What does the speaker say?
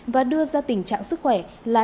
và đưa ra tình trạng sức khỏe là